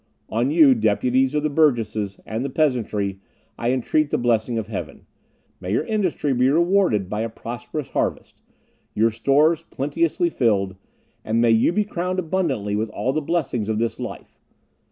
On you, deputies of the burgesses, and the peasantry, I entreat the blessing of heaven; may your industry be rewarded by a prosperous harvest; your stores plenteously filled, and may you be crowned abundantly with all the blessings of this life.